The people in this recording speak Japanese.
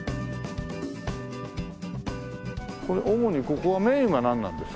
これ主にここはメインはなんなんですか？